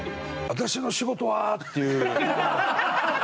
私の仕事はっていう。